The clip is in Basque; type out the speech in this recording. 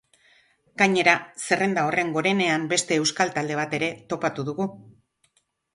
Gainera, zerrenda horren gorenean beste euskal talde bat ere topatu dugu.